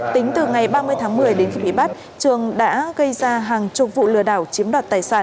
tính từ ngày ba mươi tháng một mươi đến khi bị bắt trường đã gây ra hàng chục vụ lừa đảo chiếm đoạt tài sản